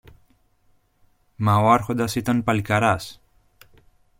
Μα ο Άρχοντας ήταν παλικαράς.